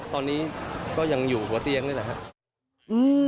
ตอนนี้ก็ยังอยู่หัวเตียงนี่แหละครับ